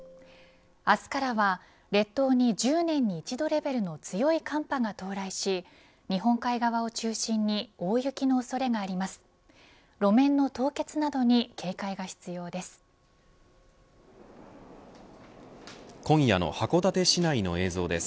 明日からは列島に１０年に一度レベルの強い寒波が到来し日本海側を中心に大雪の恐れがあります。